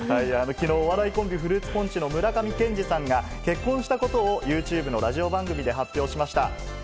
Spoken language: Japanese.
きのう、お笑いコンビ・フルーツポンチの村上健志さんが結婚したことをユーチューブのラジオ番組で発表しました。